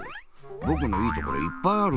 ぼくのいいところいっぱいあるって！